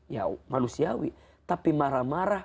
ya manusiawi tapi marah marah